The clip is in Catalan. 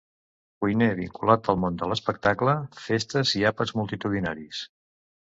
Cuiner vinculat al món de l'espectacle, festes i àpats multitudinaris.